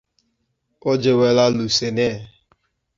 He moved to Lausanne.